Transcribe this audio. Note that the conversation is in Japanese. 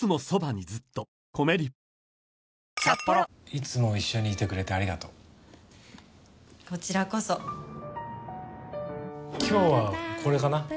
いつも一緒にいてくれてありがとうこちらこそ今日はこれかな